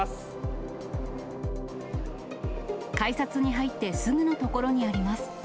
改札に入ってすぐの所にあります。